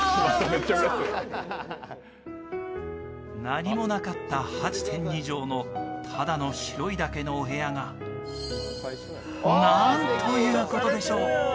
何もなかった８．２畳のただの白いだけのお部屋がなんということでしょう。